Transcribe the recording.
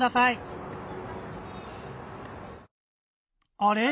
あれ？